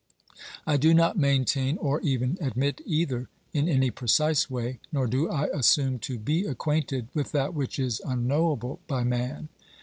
I do not maintain or even admit either in any precise way, nor do I assume to be acquainted with that which is unknowable by man.